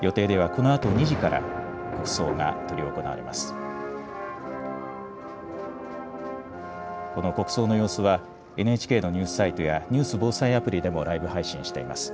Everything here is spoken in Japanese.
この国葬の様子は、ＮＨＫのニュースサイトや、ニュース・防災アプリでもライブ配信しています。